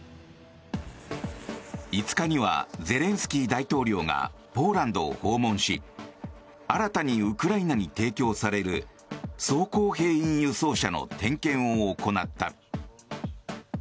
５日にはゼレンスキー大統領がポーランドを訪問し新たにウクライナに提供される装甲兵員輸送車の点検を行った。